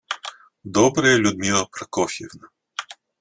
добрая, Людмила Прокофьевна.